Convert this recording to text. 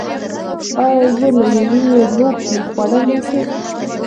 ایا زه له یو لوښي خوړلی شم؟